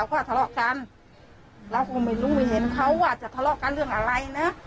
ก็ทะเลาะกันเราก็ไม่รู้ไม่เห็นเขาว่าจะทะเลาะกันเรื่องอะไรนะ